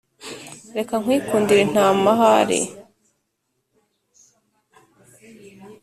Reka nkwikundire ntamahari